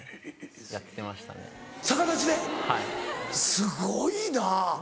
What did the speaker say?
すごいな！